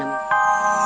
sampai jumpa lagi